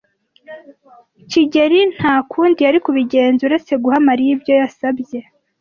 kigeli nta kundi yari kubigenza uretse guha Mariya ibyo yasabye.